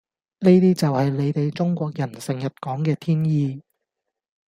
呢啲就係你地中國人成日講嘅天意